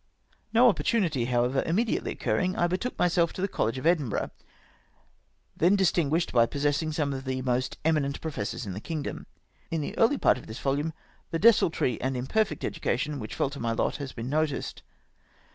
No opportimity, however, immediately occurring, I betook myself to the College of Edinburgh, then dis tinguished by possessing some of the most eminent professors in the kingdom. In the early part of this volume the desultory and imperfect education which fell to my lot has been noticed.